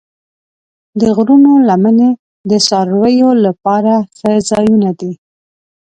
د غرونو لمنې د څارویو لپاره ښه ځایونه دي.